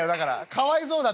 かわいそうだって」。